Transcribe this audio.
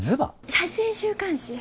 写真週刊誌！